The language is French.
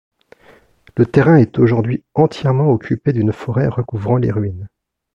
Le terrain est aujourd'hui entièrement occupé d'une forêt recouvrant les ruines.